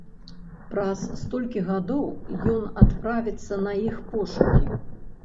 Праз столькі гадоў ён адправіцца на іх пошукі.